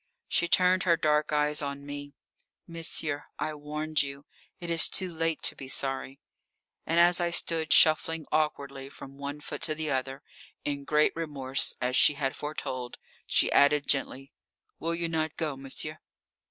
She turned her dark eyes on me. "Monsieur, I warned you. It is too late to be sorry." And as I stood shuffling awkwardly from one foot to the other, in great remorse as she had foretold, she added, gently, "Will you not go, monsieur?"